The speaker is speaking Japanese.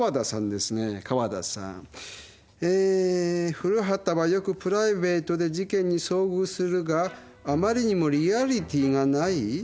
「古畑はよくプライベートで事件に遭遇するがあまりにもリアリティーがない。